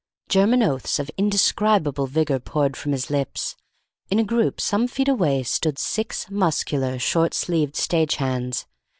German oaths of indescribable vigour poured from his lips. In a group some feet away stood six muscular, short sleeved stage hands.